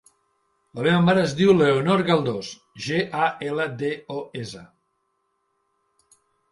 La meva mare es diu Leonor Galdos: ge, a, ela, de, o, essa.